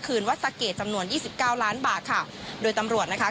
วัดสะเกดจำนวนยี่สิบเก้าล้านบาทค่ะโดยตำรวจนะคะ